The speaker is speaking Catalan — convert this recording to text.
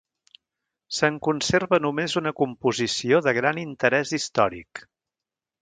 Se'n conserva només una composició de gran interès històric.